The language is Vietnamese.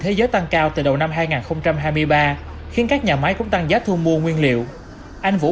thế giới tăng cao từ đầu năm hai nghìn hai mươi ba khiến các nhà máy cũng tăng giá thu mua nguyên liệu anh vũ